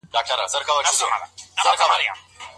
موږ به راټوليږو او څه به زده کوو؟